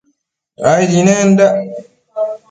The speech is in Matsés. Aidi nendac